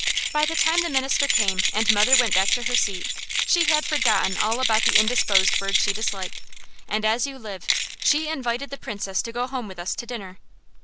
By the time the minister came and mother went back to her seat, she had forgotten all about the "indisposed" word she disliked, and as you live! she invited the Princess to go home with us to dinner.